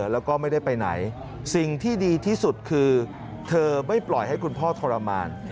แล้วก็ไม่ได้ไปไหนสิ่งที่ดีที่สุดคือเธอไม่ปล่อยให้คุณพ่อทรมาน